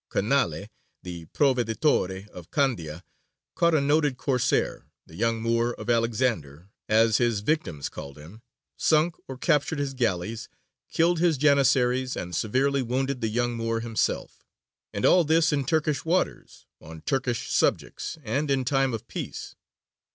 Canale, the Proveditore of Candia, caught a noted Corsair, the "Young Moor of Alexander," as his victims called him, sunk or captured his galleys, killed his Janissaries, and severely wounded the young Moor himself; and all this in Turkish waters, on Turkish subjects, and in time of peace.